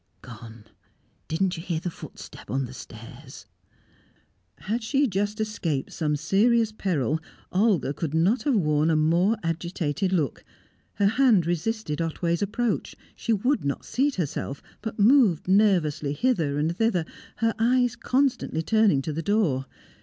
"Gone! Didn't you hear the footstep on the stairs?" Had she just escaped some serious peril, Olga could not have worn a more agitated look. Her hand resisted Otway's approach; she would not seat herself, but moved nervously hither and thither, her eyes constantly turning to the door.